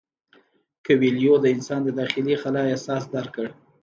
کویلیو د انسان د داخلي خلا احساس درک کړ.